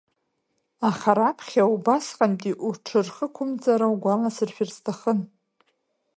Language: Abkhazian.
Аха раԥхьа убасҟантәи уҽырхықәымҵара угәаласыршәар сҭахын.